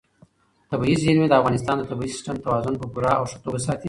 طبیعي زیرمې د افغانستان د طبعي سیسټم توازن په پوره او ښه توګه ساتي.